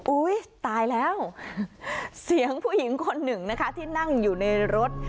อุ้ยตายแล้วเสียงผู้หญิงคนหนึ่งนะคะที่นั่งอยู่ในรถ